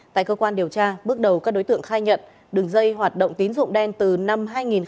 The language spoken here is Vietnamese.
tại cơ quan điều tra bước đầu các đối tượng khai nhận đường dây hoạt động tín dụng đen từ năm hai nghìn một mươi hai